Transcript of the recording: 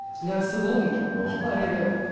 いやすごい引かれる。